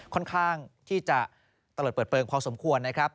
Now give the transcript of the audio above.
ค่อนข้างที่จะตะเลิดเปิดเปลืองพอสมควรนะครับ